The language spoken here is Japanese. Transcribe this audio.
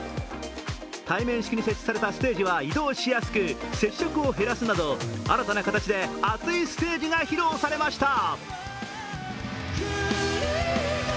対面式に設置されたステージは移動しやすく接触を減らすなど新たな形で熱いステージが披露されました。